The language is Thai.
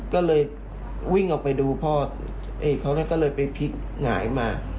ก็เลยวิ่งออกไปดูพ่อไอ้เขาก็เลยไปพลิกหงายมา